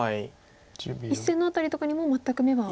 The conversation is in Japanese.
１線の辺りとかにも全く眼は。